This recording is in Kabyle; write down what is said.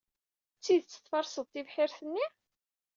D tidet tferseḍ tibḥirt-nni?